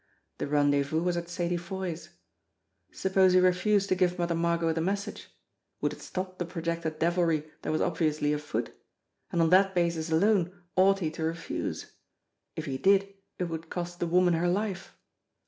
The rendezvous was at Sadie Foy's. Suppose he refused to give Mother Margot ihe message? Would it stop the projected devilry that was obviously afoot? And on that basis alone ought he to refuse ? If he did, it would cost the woman her life.